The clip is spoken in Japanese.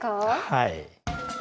はい。